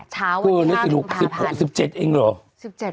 ช้าวันที่๕ถึงพาพันธุ์คือ๑๗เองเหรอ